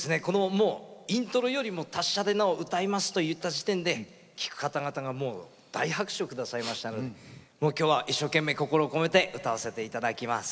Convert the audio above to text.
イントロよりも「達者でナ」を歌いますといった時点で聴く方々が大拍手をくださいましたのできょうは、一生懸命心を込めて歌わせていただきます。